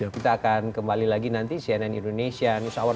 kita akan kembali lagi nanti cnn indonesia news hour